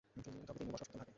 তবে তিনি বসবাস করতেন ঢাকায়।